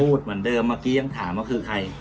เหมือนเดิมเมื่อกี้ยังถามว่าคือใคร